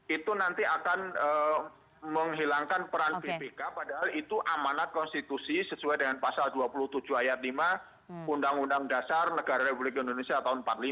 itu nanti akan menghilangkan peran bpk padahal itu amanat konstitusi sesuai dengan pasal dua puluh tujuh ayat lima undang undang dasar negara republik indonesia tahun seribu sembilan ratus empat puluh lima